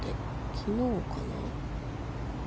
昨日かな。